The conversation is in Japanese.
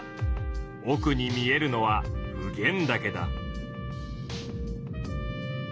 おくに見えるのは普賢岳だ。